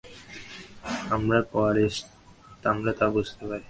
আমরা কোয়ালিস্ট, আমরা তা বুঝতে পারি।